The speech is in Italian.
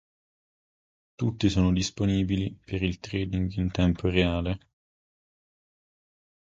Tutti sono disponibili per il trading in tempo reale.